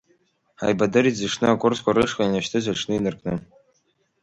Ҳаибадырит зыҽны акурсқәа рышҟа инашьҭыз аҽны инаркны.